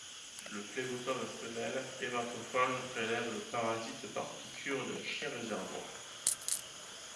Le phlébotome femelle hématophage prélève le parasite par piqûre d’un chien réservoir.